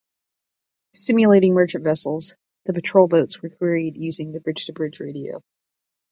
Simulating merchant vessels, the patrol boats were queried using the bridge-to-bridge radio.